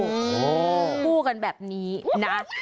คู่กันแบบนี้นะ